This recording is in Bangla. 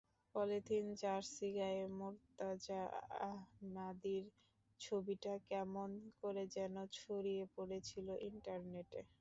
পলিথিন-জার্সি গায়ে মুর্তাজা আহমাদির ছবিটা কেমন করে যেন ছড়িয়ে পড়েছিল ইন্টারনেটে।